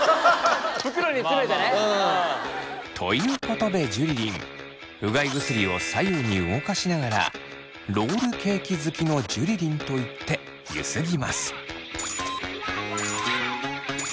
袋に詰めてね。ということでジュリリンうがい薬を左右に動かしながら「ロールケーキ好きのジュリリン」と言ってゆすぎます。